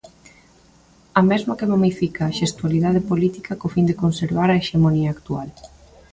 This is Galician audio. A mesma que momifica a xestualidade política co fin de conservar a hexemonía actual.